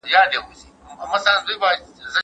تاسي کله په خپل ژوند کي بدلون راوستی؟